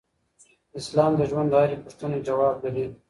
اسلام د ژوند د هرې پوښتنې ځواب لري.